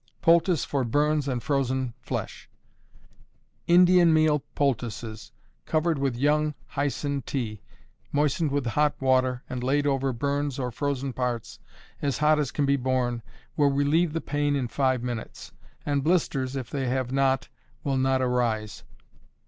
Poultice for Burns and Frozen Flesh. Indian meal poultices, covered with young hyson tea, moistened with hot water, and laid over burns or frozen parts, as hot as can be borne, will relieve the pain in five minutes; and blisters, if they have not, will not arise.